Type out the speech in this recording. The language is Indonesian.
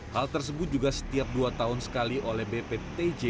hal tersebut juga setiap dua tahun sekali oleh bpptj